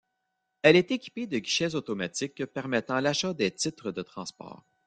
Elle est équipée de guichets automatiques permettant l'achat des titres de transports.